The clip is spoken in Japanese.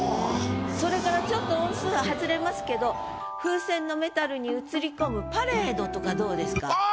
それからちょっと音数は外れますけど「風船のメタルに映り込むパレード」とかどうですか？